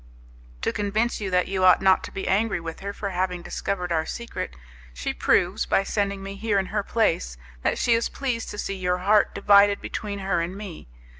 To convince you that you ought not to be angry with her for having discovered our secret, she proves, by sending me here in her place, that she is pleased to see your heart divided between her and me.